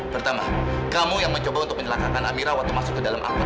pertama kamu yang mencoba untuk menyelakakan amira waktu masuk ke dalam akun